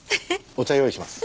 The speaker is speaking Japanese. お茶用意します。